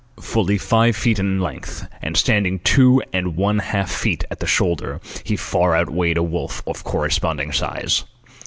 Fully five feet in length, and standing two and one half feet at the shoulder, he far outweighed a wolf of corresponding size.